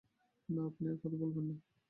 না, আপনি আর কথা বলবেন না।